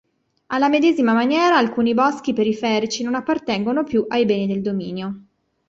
Alla medesima maniera, alcuni boschi periferici non appartengono più ai beni del dominio.